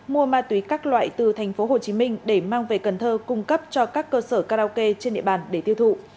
đạt khai nhận mua ma túy các loại từ thành phố hồ chí minh để mang về cần thơ cung cấp cho các cơ sở karaoke trên địa bàn để tiêu thụ